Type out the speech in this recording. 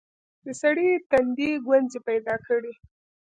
د سړي تندي ګونځې پيدا کړې.